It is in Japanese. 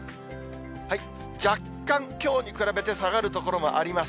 若干きょうに比べて下がる所もあります。